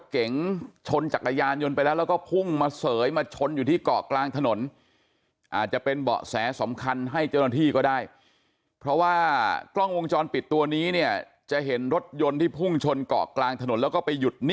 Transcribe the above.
ขาดที่แล้วส่องศพ